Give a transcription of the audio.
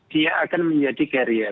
dia akan menjadi carrier